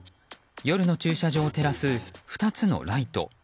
夜の駐車場を照らす２つのライト。